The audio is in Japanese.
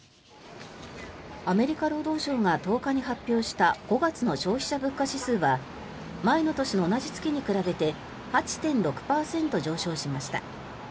アメリカ労働省が１０日に発表した５月の消費者物価指数は前の年の同じ月に比べて８．６％上昇しました。